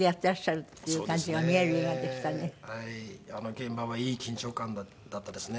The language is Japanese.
現場はいい緊張感だったですね。